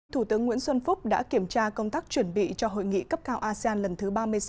thủ tướng nguyễn xuân phúc đã kiểm tra công tác chuẩn bị cho hội nghị cấp cao asean lần thứ ba mươi sáu